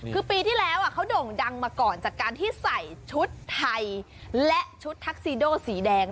คือปีที่แล้วเขาโด่งดังมาก่อนจากการที่ใส่ชุดไทยและชุดทักซีโดสีแดง